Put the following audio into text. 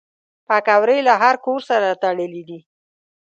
پکورې له هر کور سره تړلي دي